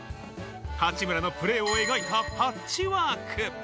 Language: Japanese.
八村のプレーを描いたパッチワーク。